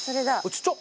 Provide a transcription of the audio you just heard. ちっちゃ！